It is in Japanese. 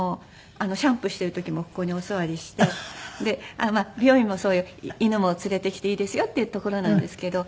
シャンプーしている時もここにお座りしてで美容院もそういう犬も連れてきていいですよっていう。